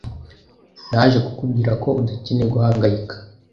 Naje kukubwira ko udakeneye guhangayika.